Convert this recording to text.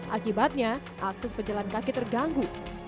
akibatnya akses pejalan kaki terganggu